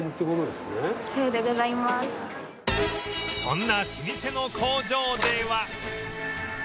そんな老舗の工場では